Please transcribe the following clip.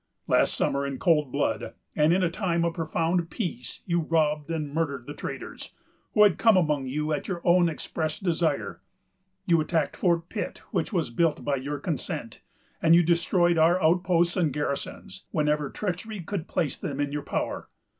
Last summer, in cold blood, and in a time of profound peace, you robbed and murdered the traders, who had come among you at your own express desire. You attacked Fort Pitt, which was built by your consent; and you destroyed our outposts and garrisons, whenever treachery could place them in your power.